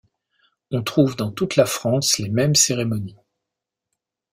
On trouve dans toute la France les mêmes cérémonies.